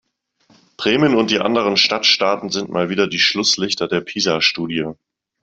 Bremen und die anderen Stadtstaaten sind mal wieder die Schlusslichter der PISA-Studie.